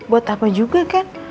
buat apa juga kan